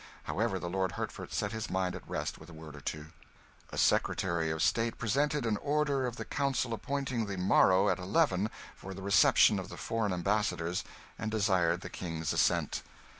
However, the Lord Hertford set his mind at rest with a word or two. A secretary of state presented an order of the Council appointing the morrow at eleven for the reception of the foreign ambassadors, and desired the King's assent.